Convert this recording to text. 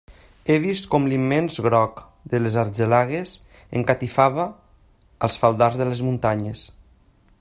He vist com l'immens groc de les argelagues encatifava els faldars de les muntanyes.